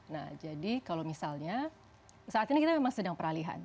nah jadi kalau misalnya saat ini kita memang sedang peralihan